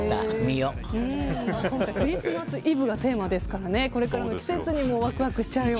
クリスマスイブがテーマですからこれからの季節にわくわくしちゃうような。